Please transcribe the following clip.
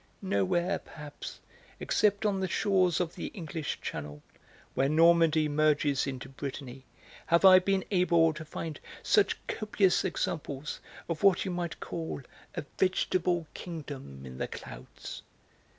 Nowhere, perhaps, except on the shores of the English Channel, where Normandy merges into Brittany, have I been able to find such copious examples of what you might call a vegetable kingdom in the clouds.